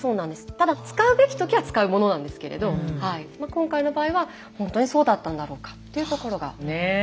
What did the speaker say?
ただ使うべきときは使うものなんですけれど今回の場合はほんとにそうだったんだろうかっていうところが。